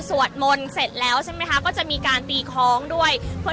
อาจจะออกมาใช้สิทธิ์กันแล้วก็จะอยู่ยาวถึงในข้ามคืนนี้เลยนะคะ